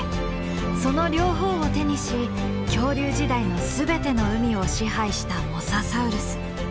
その両方を手にし恐竜時代の全ての海を支配したモササウルス。